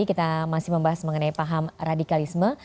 kita masih membahas mengenai paham radikalisme